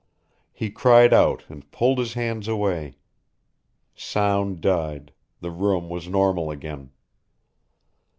He cried out and pulled his hands away. Sound died, the room was normal again.